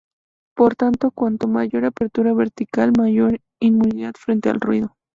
Por tanto, cuanto mayor apertura vertical, mayor inmunidad frente al ruido.